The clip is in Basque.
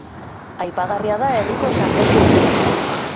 Aipagarria da herriko San Petri eliza.